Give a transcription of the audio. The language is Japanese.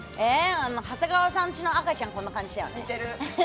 長谷川さんちの赤ちゃん、こんな感じじゃん。